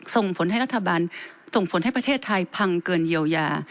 ส่งผลให้รัฐบาลส่งผลให้ประเทศไทยพังเกินเยียวยา